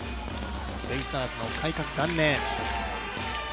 ベイスターズの改革元年。